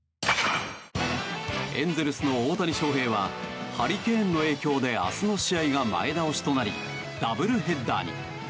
エンゼルスの大谷翔平はハリケーンの影響で明日の試合が前倒しとなりダブルヘッダーに。